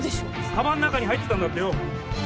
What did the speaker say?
かばんの中に入ってたんだってよ。